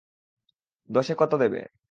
দশে কত দেবে?